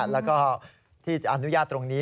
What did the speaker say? แล้วก็ที่จะอนุญาตตรงนี้